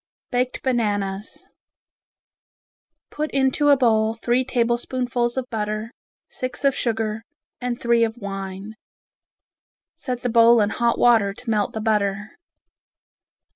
Baked Bananas Put into a bowl three tablespoonfuls of butter, six of sugar, and three of wine. Set the bowl in hot water to melt the butter.